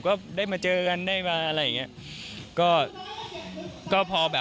ก็ได้มาเจอกันได้มา